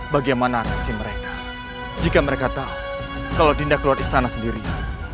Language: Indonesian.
bagaimana akan si mereka jika mereka tahu kalau dinda keluar istana sendirian